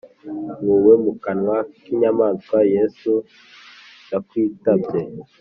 Nkuwe mu kanwa k’inyamaswa yesu ndakwitabye